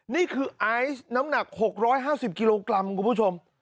นี่คือไอซ์น้ำหนักหกร้อยห้าสิบกิโลกรัมคุณผู้ชม